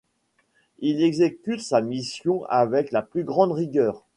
Il exécute sa mission avec la plus grande rigueur.